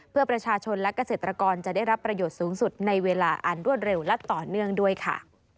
เพื่อประชาชนและเกษตรกรจะได้รับประโยชน์สูงสุดในเวลาอันรวดเร็วและต่อเนื่องด้วยค่ะ